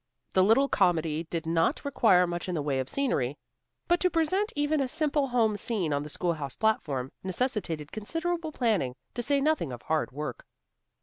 The little comedy did not require much in the way of scenery. But to present even a simple home scene on the schoolhouse platform, necessitated considerable planning, to say nothing of hard work.